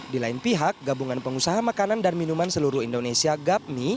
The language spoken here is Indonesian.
di lain pihak gabungan pengusaha makanan dan minuman seluruh indonesia gapmi